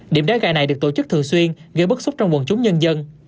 điểm đá gà này được tổ chức thường xuyên gây bức xúc trong quần chúng nhân dân